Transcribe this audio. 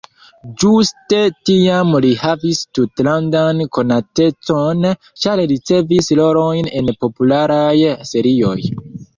Ĝuste tiam li havis tutlandan konatecon, ĉar li ricevis rolojn en popularaj serioj.